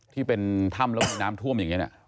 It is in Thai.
ที่เป็นธ่ำแล้วเป็นน้ำท่วมอย่างเงี้ย